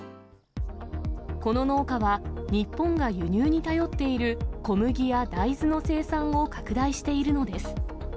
この農家は、日本が輸入に頼っている小麦や大豆の生産を拡大しているのです。